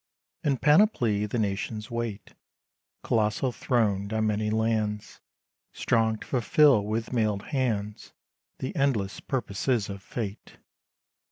In panoply the nations wait, Colossal, throned on many lands; Strong to fulfill with mailed hands The endless purposes of Fate.